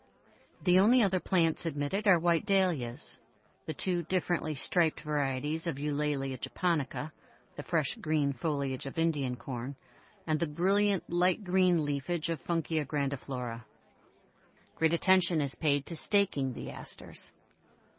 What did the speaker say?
The only other plants admitted are white Dahlias, the two differently striped varieties of Eulalia japonica, the fresh green foliage of Indian Corn, and the brilliant light green leafage of Funkia grandiflora. Great attention is paid to staking the Asters.